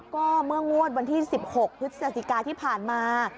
ก็เมื่องวดวันที่๑๖พฤศจิกาที่ผ่านมา